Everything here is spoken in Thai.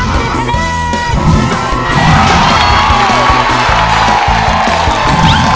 มันเกิดอะไรเนี่ย